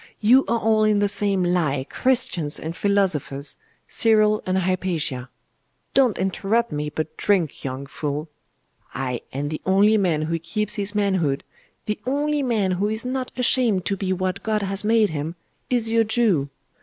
You are all in the same lie, Christians and philosophers, Cyril and Hypatia! Don't interrupt me, but drink, young fool! Ay, and the only man who keeps his manhood, the only man who is not ashamed to be what God has made him, is your Jew.